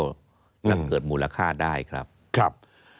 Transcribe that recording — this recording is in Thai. ก็เกิดมูลค่าได้ครับ